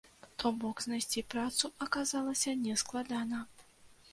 То бок знайсці працу аказалася нескладана.